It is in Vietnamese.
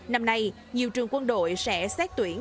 năm nay nhiều trường quân đội sẽ xét tuyển